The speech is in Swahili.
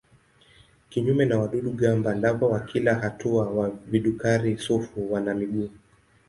Kinyume na wadudu-gamba lava wa kila hatua wa vidukari-sufu wana miguu.